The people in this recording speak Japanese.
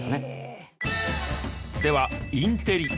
では「インテリ」。